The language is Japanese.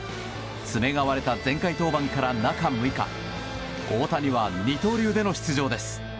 爪が割れた前回登板から中６日大谷は二刀流での出場です。